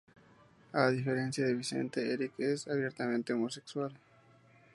A diferencia de Vicente, Eric es abiertamente homosexual.